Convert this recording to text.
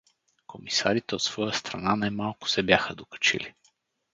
Комисарите от своя страна немалко се бяха докачили.